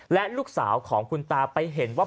และลูกสาวของคุณตาไปเห็นว่า